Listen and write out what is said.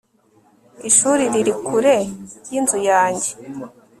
Ishuri riri kure yinzu yanjye